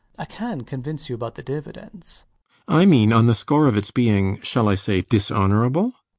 I can convince you about the dividends. RIDGEON. I mean on the score of its being shall I say dishonorable?